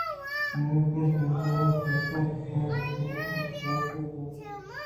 آئی پہ شادمانی تیوگیں ٹیبل بگل ءَ کُت ءُ پدا وہدے کہ پاد اتک ءُروژناہیں دریگءِ دپءَ اوشتات